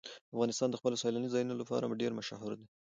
افغانستان د خپلو سیلاني ځایونو لپاره ډېر مشهور دی.